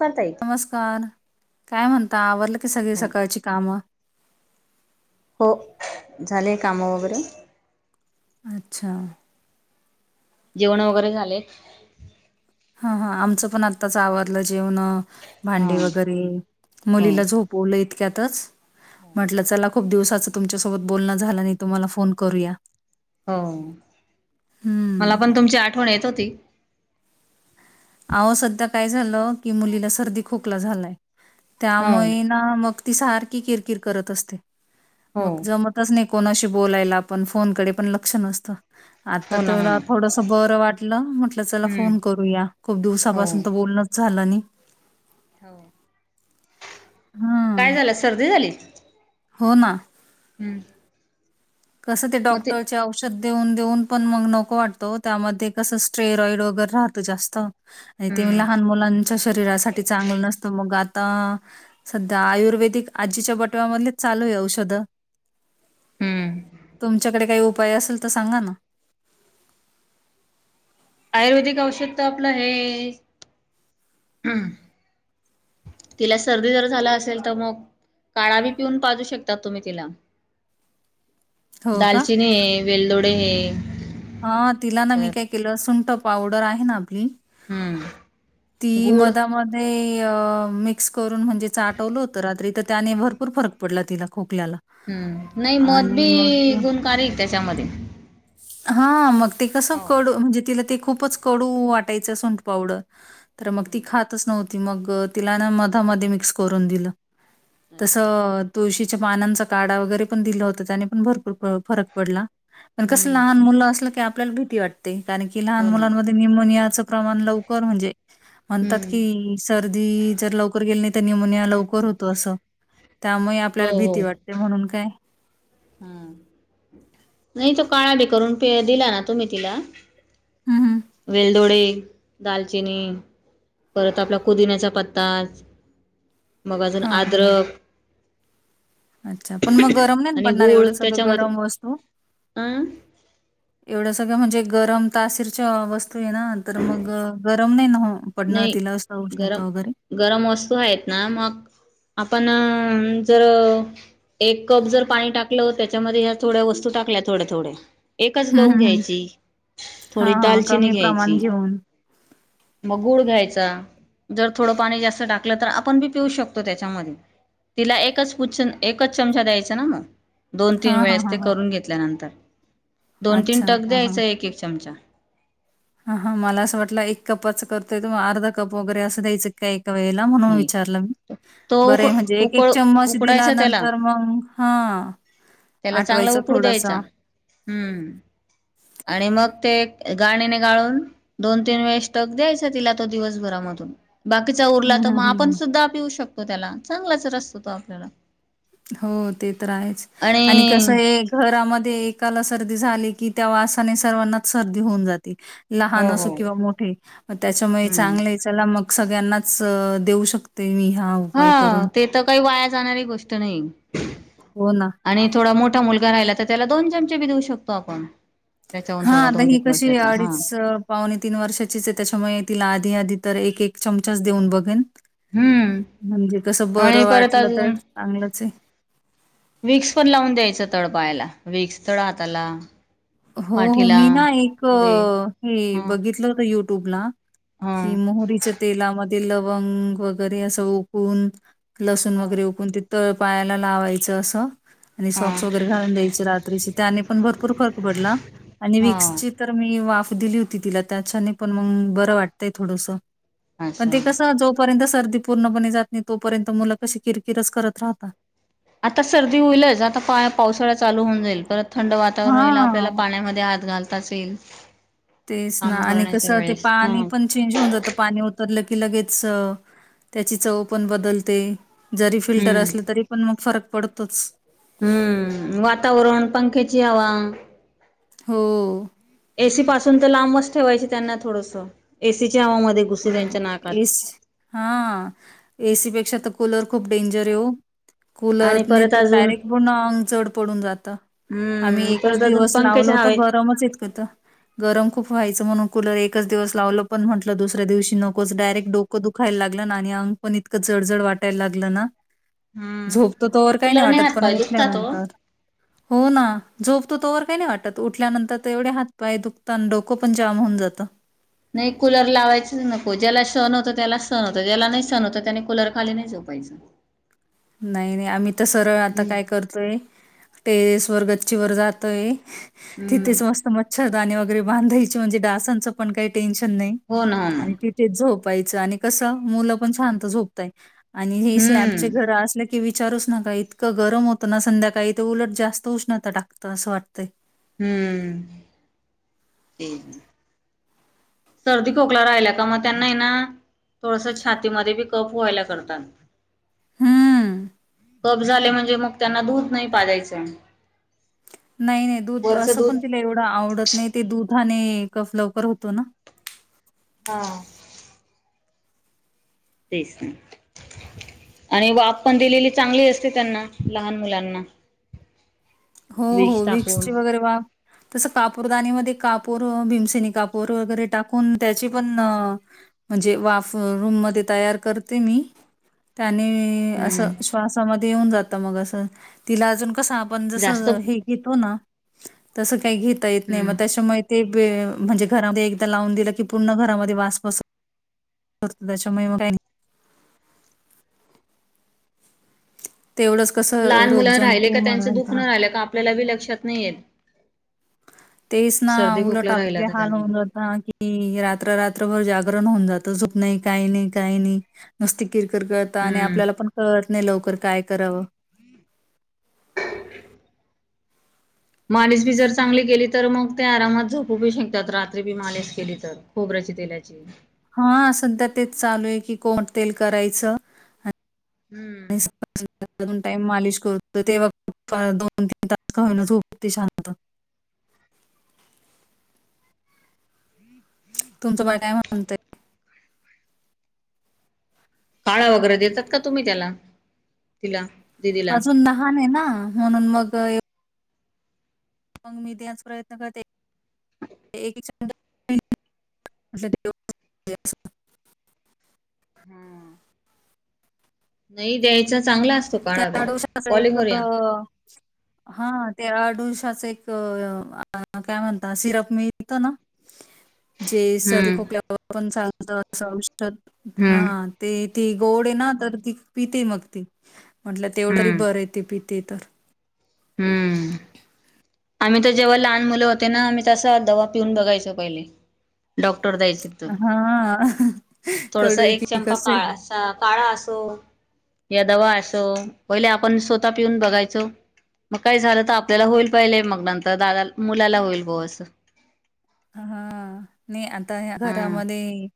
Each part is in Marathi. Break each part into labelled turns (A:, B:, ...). A: कर ताई
B: नमस्कार काय म्हणता आवरडलं की सगळी सकाळची कामं
A: हो झाले काम वगैरे
B: अच्छा
A: जेवण वगैरे झाले
B: ह हा आमचं पण आत्ताच आवजलं जेवण
A: हा
B: भांडे वगैरे
A: हो
B: मुलीला झोपवलं इतक्यातच
A: हो
B: म्हटलं चला खूप दिवसाच तुमच्यासोबत बोलणं झालं नाही तुम्हाला फोन करूया
A: हो मला
B: हं.
A: पण तुमची आठवण येत होती
B: अहं सध्या काय झालं की मुलीला सर्दी खोकला झालाय
A: हो
B: त्यामुळे ना मग ती सारखी किरकिर करत असते
A: हो
B: मग जमतच नाही कोणाशी बोलायला आपण फोनकडे पण लक्ष नसतो आता
A: हो ना हो
B: तुला
A: ना
B: थोडस बरं वाटलं म्हटलं त्याला
A: हम्म
B: फोन करूया खूप
A: हो
B: दिवसापासून तर बोलणच झालं नाही हां.
A: काय झालं सर्दी झाली
B: हो ना
A: हम्म
B: कसं ते डॉक्टर औषध देऊन देऊन पण मग नको वाटतो त्यामध्ये कसं स्टेरॉइड वगैरे राहतं जास्त आणि ते
A: हम्म
B: लहान मुलांच्या शरीरासाठी चांगलं नसतं मग आ अ सध्या आयुर्वेदिक आजीच्या बटव्यामधले चालू आहे औषध
A: हम्म
B: तुमच्याकडे काही उपाय असेल तर सांगा ना
A: आयुर्वेदिक औषध तर आपलं हे हम् तिला सर्दी जर झाला असेल तर मग काढा बी पिऊन पाजू शकतात तुम्ही तिला
B: हो
A: दालचिनी है वेलदोडे है
B: हा तिला ना मी काय केलं सुंट पावडर आहे ना आपी
A: हम्म
B: ती
A: गुड
B: मधामध्ये मिक्स करून म्हणजे चाटवलं होत रात्री तर त्याने भरपूर फरक पडला तिला खूप
A: हम्म नाही मध बी गुणकारी त्याच्यामध्ये
B: हा मग ते कसं
A: हो
B: कडू म्हणजे तिला ते खूपच कडू वाटायचं सुंठ पावडर तर मग ती
A: हम्म
B: खातच नव्हती मग तिला मधामध्ये मध्ये मिक्स करून दिल
A: अच्छा
B: तुळशीच्या पानांचा काढा वगैरे पण दिला होता त्याने पण भरपूर फरक पडला पण कस
A: हम्म
B: लहान मुलं आपल्याला भीती वाटते कारण की लहान
A: हो ना
B: मुलांमध्ये न्युमोनिया प्रमाण लवकर म्हणजे म्हणतात
A: हम्म
B: की सर्दी जर लवकर गेली नाही निमोनिया लवकर होतो असं त्यामुळे आपल्याला भीती वाटते म्हणून काय
A: हम नाही तो काळा बी करून प दिला ना तुम्ही तिला
B: हं, हं.
A: वेलदोडे दालचिनी परत आपला पुुदिन्याचा पत्ता मग अजून
B: हा हा ह
A: अद्रक
B: अच्छा पण मग गरम नाही
A: आणि
B: पडणार
A: गूळ
B: एवढ सगळं
A: त्याच्यामध्ये
B: गरम वस्तू
A: अं
B: एवढ सगळं म्हणजे गरम तासरच्या वस्तू आहे ना तर मग गरम नाही न
A: नाही गरम गरम वस्तू आहेत ना मग आपण जर एक कप जर पाणी टाकलं त्याच्यामध्ये ह्या थोड्या वस्तू टाकल्या थोडे थोडे एकच
B: हं,
A: लोंग
B: हं, हं.
A: घ्यायची
B: हां,
A: थोडी
B: हां.
A: दालचिनी
B: कमी प्रमाण
A: घ्यायची
B: घेऊन.
A: गुड घ्यायचा जर थोडं पाणी जास्त टाकलं तर आपण बी पिऊ शकतो त्याच्यामध्ये तिला एकच बुच्चन एकच चमचा द्यायचा मग दोन तीन
B: हां, हां,
A: वेळेस
B: हां,
A: ते
B: हां.
A: करून घेतल्यानंतर दोन तीन
B: अच्छा.
A: टक द्यायचा एक एक चमचा
B: हा हा मला असं वाटलं एक कपाच करतोय, तो अर्धा कप वगैरे असं द्याययं का काही? तो येला म्हणून
A: नाही
B: विचारलं
A: तो उक
B: बरे म्हणजे एक एक
A: उकळ
B: चम्मच दिला
A: उकडायचा त्याला
B: नंतर मग हा
A: त्याला चांगला उकडू द्यायचा हम आणि मग ते गाळणीने गाळून दोन तीन वेळ स्टक द्यायचा तिला तो दिवसभरामधून बाकीचा
B: हं,
A: उरला तर मग
B: हं,
A: आपण
B: हं.
A: सुद्धा पिऊ शकतो त्याला चांगलाच रस तो आपल्याला
B: हो ते तर आहेच आणि कस हे घरामध्ये एकाला सर्दी झाली की त्या वासाने सर्वांना सर्दी होऊन जाते. लहान
A: हो
B: असो
A: हो
B: किंवा मोठे त्याच्यामुळे
A: हम्म
B: चांगले त्याला मग सगळ्यांनाच देऊ शकते. मी
A: हा
B: उपाय करून.
A: ते तर काही वाया जाणारी गोष्ट नाही.
B: हो ना.
A: आणि थोडा मोठा मुलगा राहिला तर त्याला दोन चमचे बी देऊ शकतो आपण [unintelligible]
B: हा आता ही
A: एक
B: कशी
A: वर्षाचा हा
B: अडीच पावणे तीन वर्षाचीच आहे त्याच्यामुळे तिला आधी आधी तर एक एक चमचाच देऊन बघीन.
A: हम्म
B: म्हणजे कस
A: आणि
B: बरं
A: परत
B: वाटलं तर
A: अजून
B: चांगलंच आहे.
A: विक्स पण लावून द्यायचं तळ पायला विक्स तळ हाताला
B: हो हो
A: पाठीला
B: मी ना एक
A: पुढे
B: हे
A: हं
B: बघितलं होत युट्यूब ला कि
A: हं
B: मोहरीच्या तेलामध्ये लवंग वगैरे असं ओकून लसूण
A: हा.
B: वगैरे उकळून ते तळ पायाला लावायचं असं आणि
A: हां
B: सॉक्स वगैरे घालून द्यायचे रात्रीचे त्याने पण भरपूर फरक उघडला ला आणि विक्स
A: हां
B: ची तर मी वाफ दिली होती तिला त्याच्याने पण मग बरं वाटतंय थोडस पण
A: असं
B: ते कस जोपर्यंत सर्दी पूर्णपणे जात नाही तोपर्यंत मुलं कशी किरकिरच करत राहतात
A: आता सर्दी होईलच आता पा पावसाळा चालू होऊन जाईल परत थंड वातावरण होईल आपल्याला
B: हां.
A: पाण्यामध्ये हात घालताच येईल.
B: तेच ना
A: काम
B: आणि
A: करण्याच्या
B: कसं ते
A: वेळेस
B: पाणी
A: हं
B: पण चेंज होऊन जातं पाणी उतरलं की की लगेच त्याची चव पण बदलते. जरी फिल्टर
A: हम्म
B: असलं तरी पण मग फरक पडतोच.
A: हम्म वातावरण पंख्याची हवा
B: हो
A: एसी पासून तर लांबच ठेवायची त्यांना थोडस एसी
B: एस हा एसी बे ते आता कूलर खूप डेंजर ये हो
A: आणि
B: कुलरने
A: परत
B: तर
A: अजून
B: डायरेक्ट पण अंग जड पडून जातं. आम्ही
A: हम्म
B: एकच
A: परत अजून
B: दिवस लावलो
A: पंख्याच्या
B: होत
A: हवेत
B: गरमचं येत होतं गरम खूप व्हायचं म्हणून कूलर एकच दिवस लावलं पण म्हटलं दुस दुसऱ्या दिवशी नकोच डायरेक्ट डोकं दुखायला लागलं आणि अंग पण इतकं जडजड वाटायला लागलं ना
A: हम्म
B: झोपतो तोवर काही नाही
A: कुलरने
B: वाटत
A: हात
B: पण
A: पाय दुखतात ओ
B: उठल्यानंतर हो ना झोप त तोवर काही नाही वाटत उठल्यानंतर तर एवढे हात पाय दुखतान डोकं पण जाम होऊन जातं.
A: नाही कुलर लावायचंच नको ज्याला सहन होत त्याला सहन होत ज्याला नाही सहन होत त्याने कूलर खाली नाही जाऊ पैसा
B: नाही नाही आम्ही तर सरळ आता काय करतोय टेरेस वर गच्चीवर जातोय
A: हम्म
B: तिथेच मस्त मच्छरदानी वगैरे बांधायचे म्हणजे डासांचं पण काही टेन्शन नाही
A: हो ना हो ना
B: आणि तिथ झोपायचं आणि कसं मुलं पण शांत झोपताय आणि हे स्लॅबचे
A: हम्म
B: घरं असलं की विचारूच नका इतकं गरम होतं ना संध्याकाळी ते उलट जास्त उष्णता टाकतंय असं वाटतंय.
A: हम्म सर्दी खोकला राहिल्या का मग त्यांना ना, थोडस छातीमध्ये बी कप व्हायला करतात.
B: हं.
A: कप झाले म्हणजे मग त्यांना दूध नाही पाजयचंय.
B: नाही नाही दूध असं पण तिला एवढं आवडत नाही ते दुधाने, लवकर होतो ना,
A: हा. तेच ना. आणि वाफ पण दिलेली चांगली असते त्यांना लहान मुलांना.
B: हो हो
A: विष
B: विक्स
A: टाकून
B: ची वगैरे वा. तसं कापूरदानीमध्ये कापूर भीमसेनी कापूर वगैरे टाकून त्याचे पण. म्हणजे वाफ रूम मध्ये तयार करते मी,
A: [inaudible]
B: अस
A: हम्म
B: श्वासा मध्ये येऊन जात तिला अजून कस
A: जास्त
B: हे घेतो ना तस काही घेता येत नाही मग
A: हम्म
B: त्याच्यामुळे म्हणजे घरामध्ये एकदा लावून दिलं की पूर्ण घरामध्ये वास बस होत त्याच्यामुळे मग काही. तेवढंच कसं
A: लहान मुला राहिले
B: रोगजंतू
A: का त्यांचं
B: मरण
A: दुःख न राहिलं का आपल्याला बी लक्षात नाहीय.
B: तेच ना उलट आपला
A: तर
B: हाल
A: त्यांनी
B: होऊन जहत की रात्र रात्रभर जाग ऊन जात झप नाही काही नाही काही नाही नुसती किरक कळत आणि
A: हम्म.
B: आपल्याला पण कळत. लवकर काय करावं.
A: [unintelligible] मालीश बी जर चांगली केली तर मग ते आरामात झोपू बी शकत्यात रात्री बी मालीश केली तर खोबरेल च्या तेलाची,
B: हा अस तर तेच चालू आहे की कोणत्या
A: हम्म,
B: दोन टाइम मालिश करतो तेव्हा कुठं दोन तीन तास झोपतो शांत
A: हो, [inaudible]
B: तुमचं बाळ काय म्हणतय.
A: डाळ वगैरे देतात का तुम्ही त्याला तिला. दिदीला
B: अजून लहान आहे ना म्हणून मग, मग मी त्याच प्रयत्न करते. एक चमचा तरी रोज द्यायच.
A: हम्म, नाही द्यायचा चांगला अस,
B: त्या आडूळश्याचा अस एक हा त्या आडूश्याचा अस एक काय म्हणतात सिरप मिळतो ना, जे सर्दी
A: हम्म
B: खोकल्यावर पण चालत अस औषध
A: हम्म
B: हा तेच ना. ती गोड आहे ना तर ती पित मग ती म्हटलं तेवढं तरी
A: हम्म
B: बर आहे ती पि ते तर [inaudible]
A: हम्म. आम्ही तर जेव्हा लहान मुलं होते ना आम्ही तसा दवा पिऊन बघायचो पहिले डॉक्टर द्यायचे तो
B: हां,
A: थोडसा
B: कळू
A: एक
B: की
A: चंपा
B: कसे
A: काळा सा काळा असो या दवा असो पहिले आपण स्वतः पिऊन बघायचो. मग काही झालं तर आपल्याला होईल पहिले मग नंतर दादाला मुलाला होईल हो अस
B: हा नाही आता हे
A: हा
B: घरामध्ये,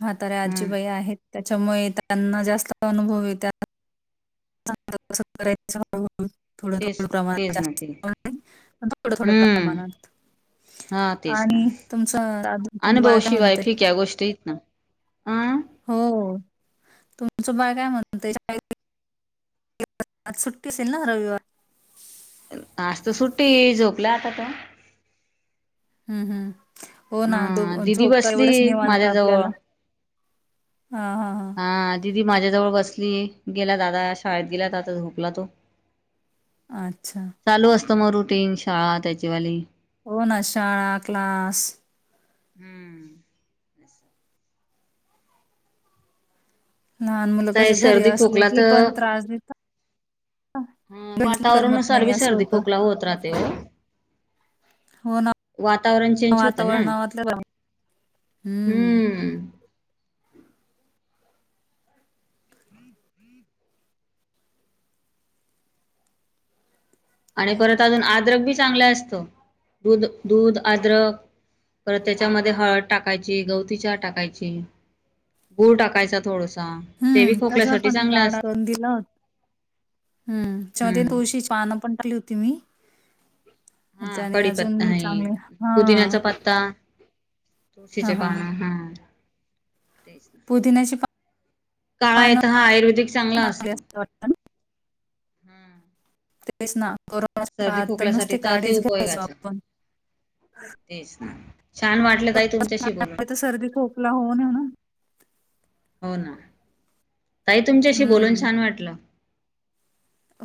B: म्हातार्या
A: हम्म
B: आजीबाई आहेत त्याच्यामुळे त्यांना जास्त अनुभव आहेत. [unintelligible] थोडं
A: तेच
B: थोडं प्रमाणात
A: तेच ना
B: जास्त
A: ते
B: नाही पण थोडं थोडं
A: हम्म
B: प्रमाणात,
A: हा तेच ना
B: आणि तुमचं दादू तुमचं बाळ काय म्हणतय.
A: हम,
B: हो तुमचं बाळ काय म्हणतय शाळेला गेलय. आज सुट्टी असेल ना रविवार
A: आज तर सुट्टी झोपला आता तो
B: हम्म हम्म हो ना दो
A: हा दिदी
B: झोपत
A: बसली
B: एवढंच निवांत
A: माझ्या जवळ
B: आपल्याला हा हां हां
A: ती माझ्याजवळ बसली गेला दादा शाळेत गेला दादा झोपला आता तो
B: अच्छा
A: तर म रुटीन शाळा त्याचीवाली
B: हो ना शाळा क्लास
A: हम्म
B: लहान मुलं
A: आता
B: कस
A: हे
B: घरी
A: सर्दी
B: असलं
A: खोकला
B: की पण त्रास देता
A: हा
B: करमत
A: वातावरणानुसार
B: नाही
A: बी
B: असं
A: सर्दी
B: होतं.
A: खोखला होत राहतय हो
B: हो ना
A: वातावरण चेंज होतं ना
B: वातावरणातलं हं,
A: हम्म आणि परत अजून आद्रक बी चांगलं असतं दूध दूध आद्रक परत त्याच्यामध्ये हळद टाकायची गवती चहा टाकायची गूळ टाकायचा थोडस
B: हम्म तस पण काढा करून दिला होता हम्म त्यामध्ये
A: हम्म
B: तुळशीची पानं पण टाकली होती मी
A: हा
B: त्याने
A: कडी पत्ता
B: अजून
A: हे.
B: चांगले हां.
A: पुदिन्याचा पत्ता तुळशीचे
B: हां, हां, हां.
A: पानं हा तेच
B: पुदिन्याची
A: काळा
B: पानं
A: येतं हा आयुर्वेदिक चांगला
B: चांगली
A: असतो
B: असतात वाटतं ना?
A: हम्म
B: तेच ना कोनाच्या
A: सर्दी
B: काळात तर
A: खोकल्यासाठी
B: नुसते
A: अति
B: काढच घ्यायचो
A: उपयोगाचं
B: आपण
A: लं काई तुमच्याशी बोलून
B: आता सर्दी खोकला होऊ नये ना
A: हो ना काही तुमच्याशी बोलून
B: हम्म
A: छान वाटलं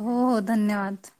B: हो हो धन्यवाद